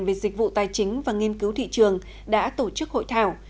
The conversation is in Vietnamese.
về dịch vụ tài chính và nghiên cứu thị trường đã tổ chức hội thảo